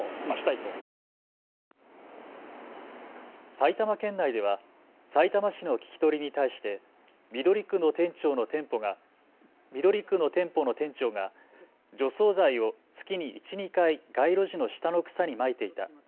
埼玉県内ではさいたま市の聞き取りに対して緑区の店舗の店長が除草剤を月に１、２回、街路樹の下の草にまいていた。